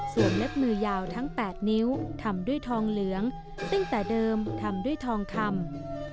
ส่วนเล็บมือยาวทั้ง๘นิ้วทำด้วยทองเหลืองตั้งแต่เดิมทำด้วยทองคำ